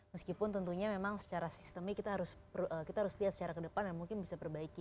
meskipun tentunya memang secara sistemik kita harus lihat secara ke depan dan mungkin bisa perbaiki